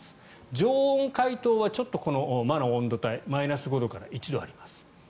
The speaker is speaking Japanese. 常温解凍はこの魔の温度帯マイナス５度から１度あります。